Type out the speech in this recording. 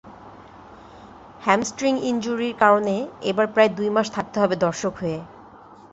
Hamstring ইনজুরির কারণে এবার প্রায় দুই মাস থাকতে হবে দর্শক হয়ে।